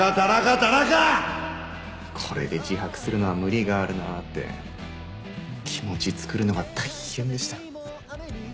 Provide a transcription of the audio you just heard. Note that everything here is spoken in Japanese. これで自白するのは無理があるなって気持ち作るのが大変でした。